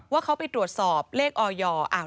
ว่าเขาไปตรวจสอบเลขออย